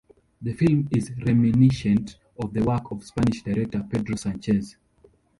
The film is reminiscent of the work of Spanish director Pedro Sanchez.